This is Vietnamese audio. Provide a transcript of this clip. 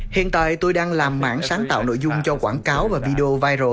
hiện tại tôi đang làm mảng sáng tạo nội dung cho quảng cáo và video viro